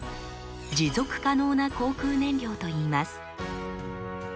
「持続可能な航空燃料」といいます。